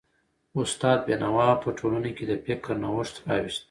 استاد بينوا په ټولنه کي د فکر نوښت راوست.